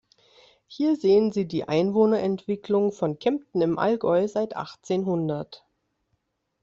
Hier sehen Sie die Einwohnerentwicklung von Kempten im Allgäu seit achtzehnhundert.